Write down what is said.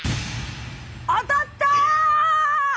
当たった！